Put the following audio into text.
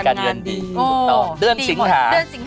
การงานก็ดีใช่ไหมคะ